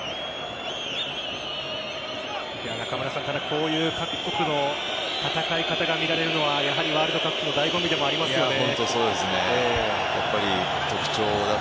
こういう各国の戦い方が見られるのはやはりワールドカップの醍醐味でもありますね。